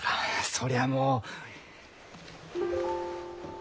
そりゃもう。